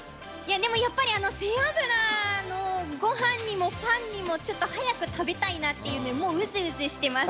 でもやっぱり背脂のごはんにもパンにも、ちょっと早く食べたいなっていう、もううずうずしてます。